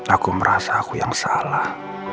aku merasa aku yang salah